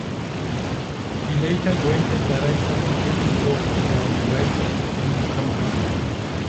He later joined as director of marketing for Don Iwerks Entertainment company.